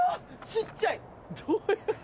小っちゃい！